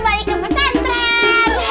aduh berat non